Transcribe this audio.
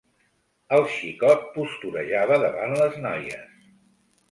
El xicot posturejava davant les noies.